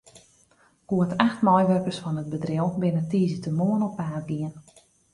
Goed acht meiwurkers fan it bedriuw binne tiisdeitemoarn op paad gien.